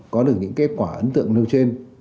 có được những kết quả ấn tượng nơi trên